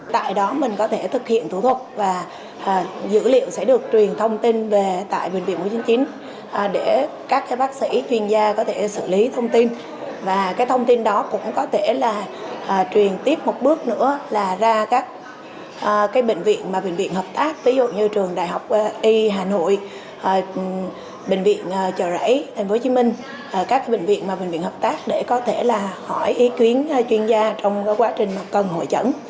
bệnh viện trò rẫy tp hcm các bệnh viện và bệnh viện hợp tác để có thể hỏi ý kiến chuyên gia trong quá trình cần hội chẩn